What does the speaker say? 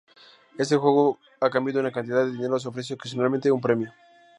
Este juego a cambio de una cantidad de dinero se ofrece ocasionalmente un premio.